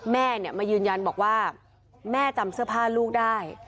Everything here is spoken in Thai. แม่มายืนยันบอกว่าแม่จำเสื้อผ้าลูกได้